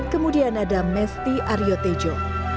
kemudian ada mesti aryotejo